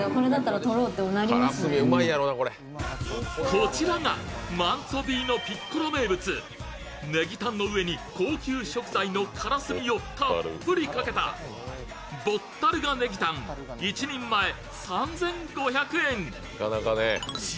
こちらがマンツォヴィーノピッコロ名物、ネギタンの上に高級食材のカラスミをたっぷりかけた、ボッタルネギタン１人前、３５００円。